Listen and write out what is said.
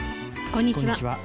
こんにちは。